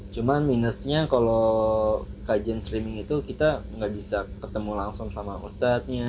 cuma minusnya kalau kajian streaming itu kita nggak bisa ketemu langsung sama ustadznya